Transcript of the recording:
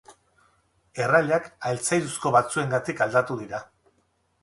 Errailak altzairuzko batzuengatik aldatu dira.